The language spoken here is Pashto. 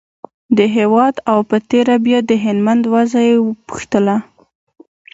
د هېواد او په تېره بیا د هلمند وضعه یې پوښتله.